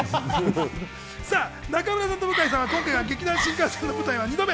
中村さんと向井さんは今回が劇団☆新感線の舞台は２度目。